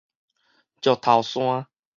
石頭山